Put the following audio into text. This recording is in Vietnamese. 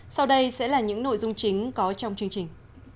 sau đây sẽ là những nội dung chính có trong chương trình